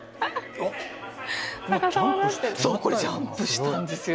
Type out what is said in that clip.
そうこれジャンプしたんですよ。